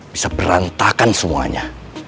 bisa berantakan semuanya